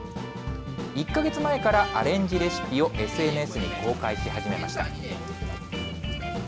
１か月前からアレンジレシピをＳＮＳに公開し始めました。